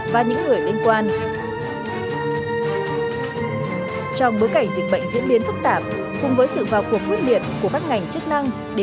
lại đi lực chiếu thế này